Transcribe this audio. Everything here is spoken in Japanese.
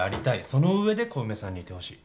そのうえで小梅さんにいてほしい。